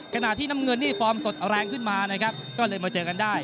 ขณะที่น้ำเงินนี่ฟอร์มสดแรงขึ้นมานะครับก็เลยมาเจอกันได้